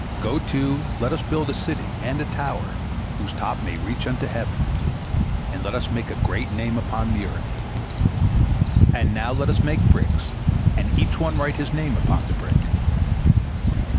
Go to, let us build us a city, and a tower, whose top may reach unto heaven, and let us make us a great name upon the earth. And now let us make bricks, and each one write his name upon his brick."